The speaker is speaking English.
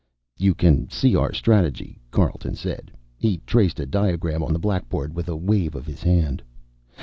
"You can see our strategy," Carleton said. He traced a diagram on the blackboard with a wave of his hand.